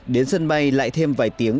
đến sân bay lại thêm vài tiếng